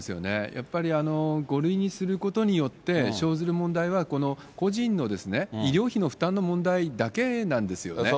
やっぱり、５類にすることによって、生ずる問題は、個人の医療費の負担の問題だけなんですよね。